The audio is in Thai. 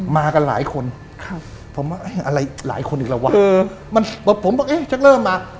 มากันหลายคนครับผมว่าอะไรหลายคนอีกแล้ววะเออมันผมบอกเอ๊ะฉันเริ่มมา